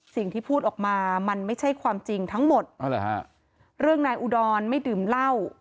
สิ่งที่พูดออกมามันไม่ใช่ความจริงทั้งหมดเรื่องนายอุดรไม่ดื่มเหล้า